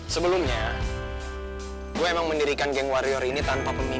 sebelumnya gue emang mendirikan geng warior ini tanpa pemimpin